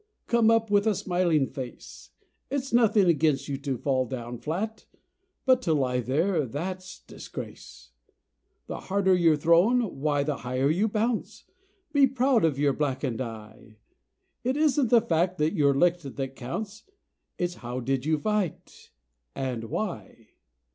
Come up with a smiling face. It's nothing against you to fall down flat, But to lie there that's disgrace. The harder you're thrown, why the higher you bounce; Be proud of your blackened eye! It isn't the fact that you're licked that counts, It's how did you fight and why?